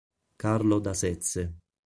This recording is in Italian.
Carlo da Sezze.